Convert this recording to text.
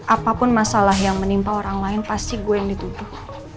apapun masalah yang menimpa orang lain pasti gue yang dituduh